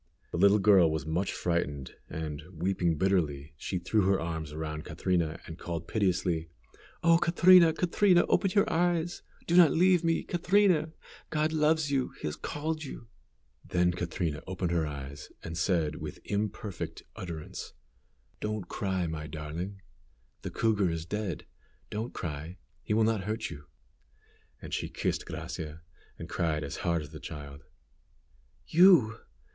The little girl was much frightened, and, weeping bitterly, she threw her arms around Catrina and called piteously, "Oh, Catrina! Catrina! open your eyes; do not leave me, Catrina; God loves you, He has called you!" Then Catrina opened her eyes, and said, with imperfect utterance, "Don't cry, my darling. The cougar is dead. Don't cry; he will not hurt you." And she kissed Gracia, and cried as hard as the child. "You!